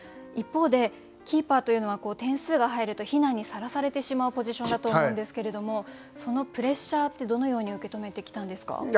一方でキーパーというのは点数が入ると非難にさらされてしまうポジションだと思うんですけれどもそのプレッシャーってどのように受け止めてきたんですか？